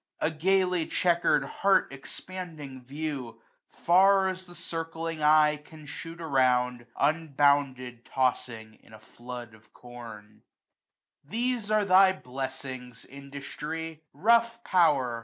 A gaily checker'd heart expanding view, 40 Far as the circling eye can shoot around. Unbounded tossing in a flood of com. These are thy blessings. Industry ! rough power